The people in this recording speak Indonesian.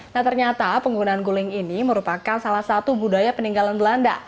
nah ternyata penggunaan guling ini merupakan salah satu budaya peninggalan belanda